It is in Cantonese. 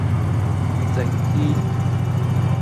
靜啲